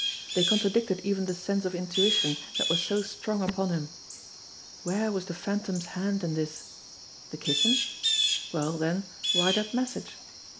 They contradicted even the sense of intuition that was so strong upon him. Where was the Phantom's hand in this? The Kitten? Well, then, why that message?